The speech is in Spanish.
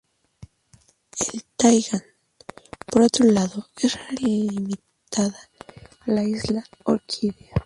En Taiwán, por otro lado, es rara y limitada a la isla Orquídea.